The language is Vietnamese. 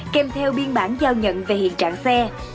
kèm theo biên bản giao nhận về hiện trạng xe